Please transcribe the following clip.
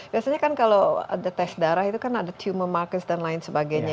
biasanya kan kalau ada tes darah itu kan ada tumor marcus dan lain sebagainya